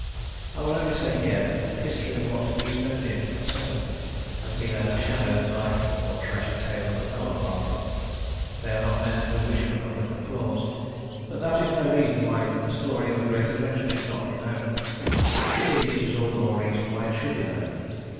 I will only say here that the history of what these men did and suffered has been overshadowed by the more tragic tale of the Polar Party. They are not men who wish for public applause, but that is no reason why the story of a great adventure should not be known; indeed, it is all the more reason why it should be known.